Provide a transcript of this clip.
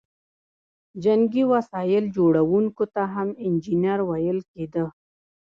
جنګي وسایل جوړوونکو ته هم انجینر ویل کیده.